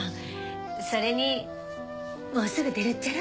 それにもうすぐ出るっちゃろ？